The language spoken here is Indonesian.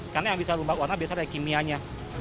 karena yang bisa berubah warna biasanya ada kimianya